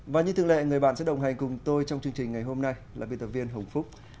và như thường lệ người bạn sẽ đồng hành cùng tôi trong chương trình ngày hôm nay là biên tập viên hồng phúc